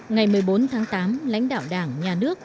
ngày một mươi bốn tháng tám lãnh đạo đảng nhà nước